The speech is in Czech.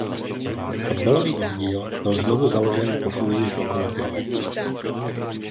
Fotbalový oddíl byl znovu založen po fúzi s Lokomotivou.